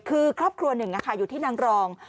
คือครอบครัวหนึ่งอยู่ที่นางรอง